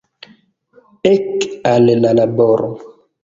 Ek al la laboro!